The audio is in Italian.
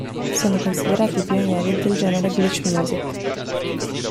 Sono considerati pionieri del genere glitch music.